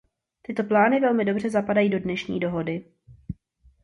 Tyto plány velmi dobře zapadají do dnešní dohody.